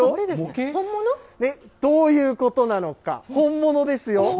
どういうことなのか、本物ですよ。